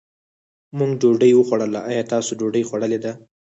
مونږ ډوډۍ وخوړله، ايا تاسو ډوډۍ خوړلې ده؟